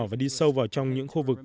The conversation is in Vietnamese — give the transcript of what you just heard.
và đi sâu vào trong những khu vực